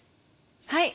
はい！